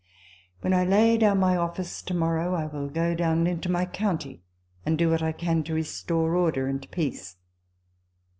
When I lay down my office to morrow, I will go down into my county, and do what I can to restore order and peace.